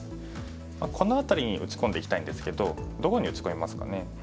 この辺りに打ち込んでいきたいんですけどどこに打ち込みますかね。